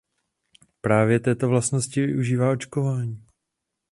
Právě této vlastnosti využívá očkování.